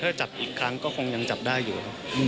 คือถ้าจับอีกครั้งก็คงยังยังจับได้อยู่